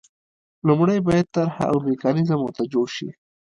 لومړی باید طرح او میکانیزم ورته جوړ شي.